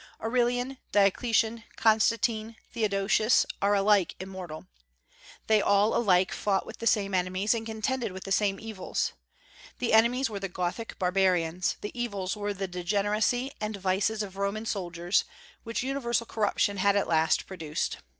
Aurelian, Diocletian, Constantine, Theodosius, are alike immortal. They all alike fought with the same enemies, and contended with the same evils. The enemies were the Gothic barbarians; the evils were the degeneracy and vices of Roman soldiers, which universal corruption had at last produced.